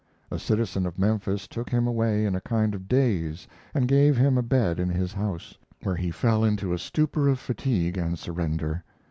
A citizen of Memphis took him away in a kind of daze and gave him a bed in his house, where he fell into a stupor of fatigue and surrender.